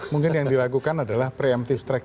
mungkin yang dilakukan adalah preemptive track